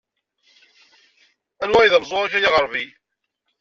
Anwa ay d ameẓẓuɣ-ik a yaɣerbi?